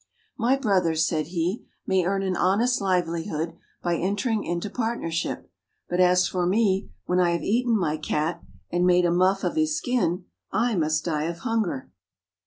"My brothers," said he, "may earn an honest livelihood by entering into partnership; but, as for me, when I have eaten my Cat, and made a muff of his skin, I must die of hunger."